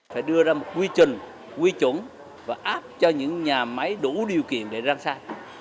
phải đưa ra một quy trình quy chuẩn và áp cho những nhà máy đủ điều kiện để răng xa